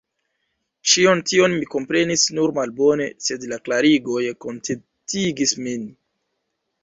Ĉion tion mi komprenis nur malbone, sed la klarigoj kontentigis min.